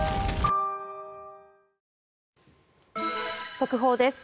速報です。